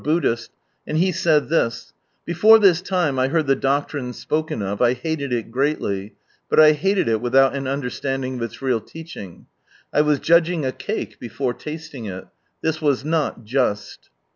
Buddhist, and he said this —" Before this time, I heard the doctrine spoken of, I haled it greatly, but I hated it without an understanding of its real teaching. I was judging a cake before tasting it. This was not just."